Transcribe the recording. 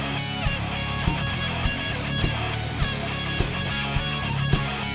untuk indonesia raya